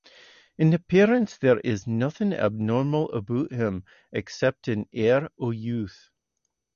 In appearance there is nothing abnormal about him except an air of youth.